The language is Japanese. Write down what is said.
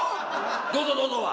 「どうぞどうぞ」は。